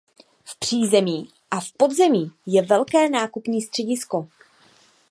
V přízemí a v podzemí je velké nákupní středisko.